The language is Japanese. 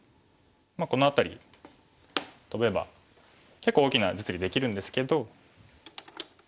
この辺りトベば結構大きな実利できるんですけど。